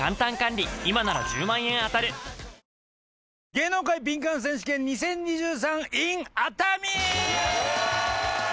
芸能界ビンカン選手権２０２３ｉｎ熱海！